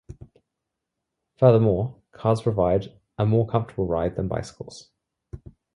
Furthermore, cars provide a more comfortable ride than bicycles.